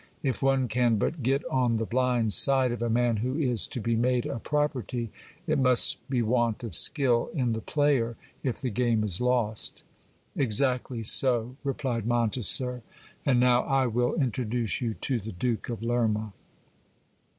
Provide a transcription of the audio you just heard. If one can but get on the blind side of a man who is to be made a property, it must be want of skill in the player if the game is lost Exactly so, replied Monteser ; and now I will introduce you to the Duke of Lerma.